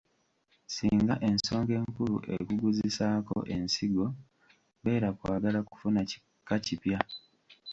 Singa ensonga enkulu ekuguzisaako ensigo beera kwagala kufuna kika kipya.